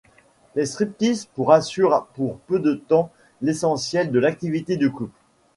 Les stripteases pour assurent pour peu de temps l'essentiel de l'activité du couple.